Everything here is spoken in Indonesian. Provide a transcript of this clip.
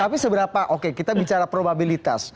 tapi seberapa oke kita bicara probabilitas